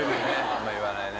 あんま言わないね。